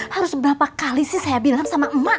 harus berapa kali sih saya bilang sama emak